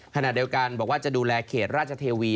ขณะเดียวกันบอกว่าจะดูแลเขตราชเทวี